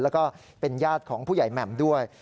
แล้วก็เป็นญาติของผู้ใหญ่แหม่มด้วย